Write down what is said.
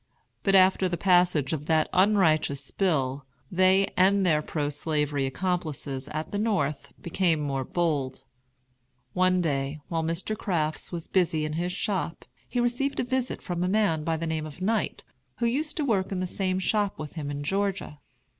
But after the passage of that unrighteous bill, they and their pro slavery accomplices at the North became more bold. One day, while Mr. Crafts was busy in his shop, he received a visit from a man by the name of Knight, who used to work in the same shop with him in Georgia.